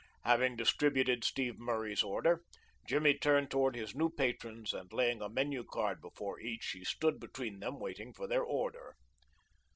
Having distributed Steve Murray's order, Jimmy turned toward his new patrons, and, laying a menu card before each, he stood between them waiting for their order.